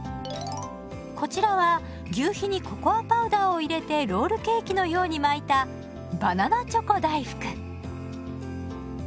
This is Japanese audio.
こちらは求肥にココアパウダーを入れてロールケーキのように巻いたバナナチョコ大福。